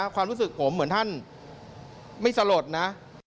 ความรู้สึกผมเหมือนท่านไม่สลดนะ